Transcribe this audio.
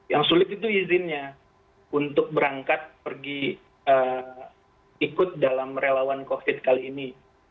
yang sulit itu izinnya untuk berangkat pergi ikut dalam relawan covid kali ini